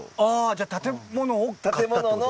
じゃあ建物を買ったって事？